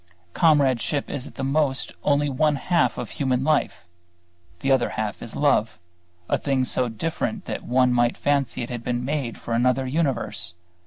Comradeship is at the most only one half of human life; the other half is Love, a thing so different that one might fancy it had been made for another universe.